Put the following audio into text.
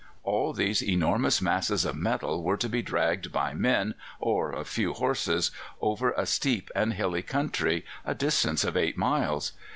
All these enormous masses of metal were to be dragged by men or a few horses over a steep and hilly country a distance of eight miles.